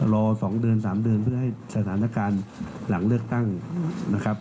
รอ๒เดือน๓เดือนเพื่อให้สถานการณ์หลังเลือกตั้งนะครับ